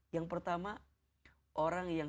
yang pertama orang yang